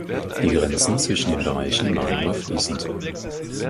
Die Grenzen zwischen den Bereichen waren aber fließend.